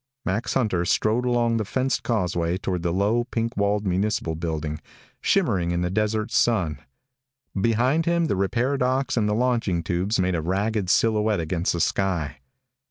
Max Hunter strode along the fenced causeway toward the low, pink walled municipal building, shimmering in the desert sun. Behind him the repair docks and the launching tubes made a ragged silhouette against the sky.